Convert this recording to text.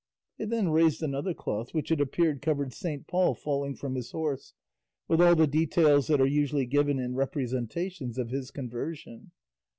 They then raised another cloth which it appeared covered Saint Paul falling from his horse, with all the details that are usually given in representations of his conversion.